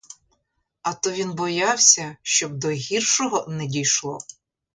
А то він боявся, щоб до гіршого не дійшло.